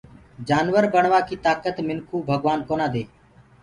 جنآور بڻوآئي تآڪَت منکو ڀگوآن ڪونآ دي